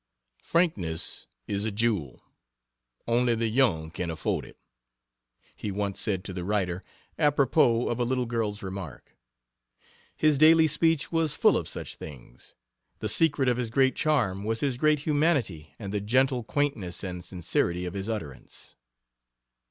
"Frankness is a jewel; only the young can afford it," he once said to the writer, apropos of a little girl's remark. His daily speech was full of such things. The secret of his great charm was his great humanity and the gentle quaintness and sincerity of his utterance.